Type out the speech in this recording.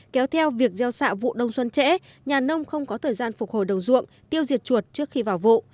kéo theo việc gieo xạ vụ đông xuân trễ nhà nông không có thời gian phục hồi đồng ruộng tiêu diệt chuột trước khi vào vụ